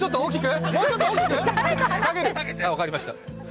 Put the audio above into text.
はい、分かりました。